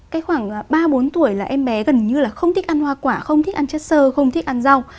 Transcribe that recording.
cách khoảng ba bốn tuổi là em bé gần như là không thích ăn hoa quả không thích ăn chất sơ không thích ăn rau